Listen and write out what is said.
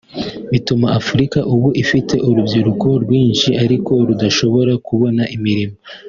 bituma Africa ubu ifite urubyiruko rwinshi ariko rudashobora kubona imirimo